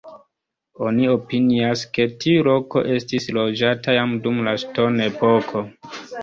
Oni opinias, ke tiu loko estis loĝata jam dum la ŝtonepoko.